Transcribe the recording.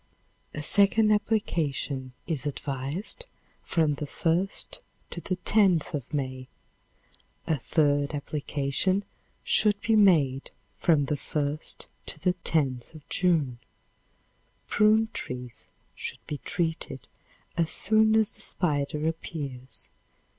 A second application is advised from the 1st to the 10th of May. A third application should be made from the 1st to the 10th of June. Prune trees should be treated as soon as the spider appears.